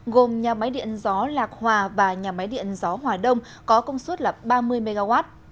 gồm nhà máy điện gió lạc hòa và nhà máy điện gió hòa đông có công suất ba mươi mw